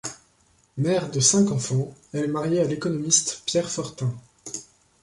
Mère de cinq enfants, elle est mariée à l'économiste Pierre Fortin.